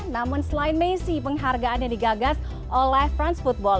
namun selain messi penghargaannya digagas oleh france football